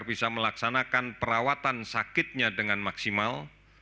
bisa melaksanakan perawatan sakitnya dengan maksimal